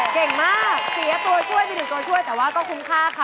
เก่งมากเสียตัวช่วยไปหนึ่งตัวช่วยแต่ว่าก็คุ้มค่าค่ะ